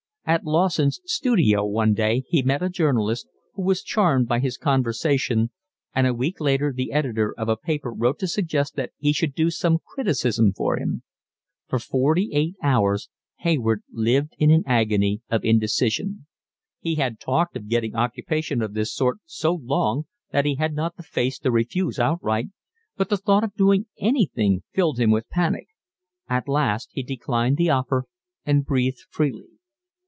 At Lawson's studio one day he met a journalist, who was charmed by his conversation, and a week later the editor of a paper wrote to suggest that he should do some criticism for him. For forty eight hours Hayward lived in an agony of indecision. He had talked of getting occupation of this sort so long that he had not the face to refuse outright, but the thought of doing anything filled him with panic. At last he declined the offer and breathed freely.